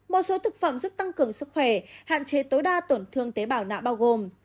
một số thực phẩm giúp tăng cường sức khỏe hạn chế tối đa tổn thương tế bào nạ bao gồm